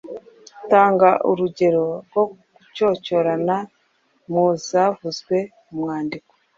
Tanga urugero rwo gucyocyorana mu zavuzwe mu mwandiko.